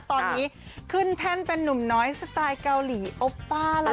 ตอนนี้ขึ้นแท่นเป็นนุ่มน้อยสไตล์เกาหลีโอป้าแล้ว